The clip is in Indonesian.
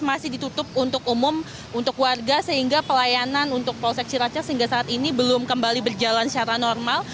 masih ditutup untuk umum untuk warga sehingga pelayanan untuk polsek ciracas sehingga saat ini belum kembali berjalan secara normal